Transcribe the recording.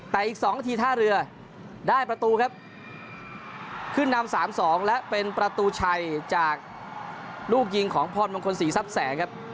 แต่อีก๒นาทีท่าเรือได้ประตูครับขึ้นนำ๓๒และเป็นประตูชัยจากลูกยิงของพรมงคลศรีทรัพย์แสงครับ